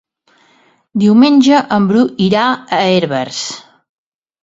Diumenge en Bru irà a Herbers.